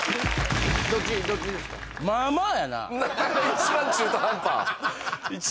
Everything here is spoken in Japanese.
一番中途半端。